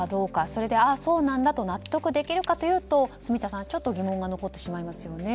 それで、ああそうなんだと納得できるかというと住田さん、ちょっと疑問が残ってしまいますね。